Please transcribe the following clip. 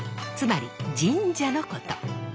つまり神社のこと。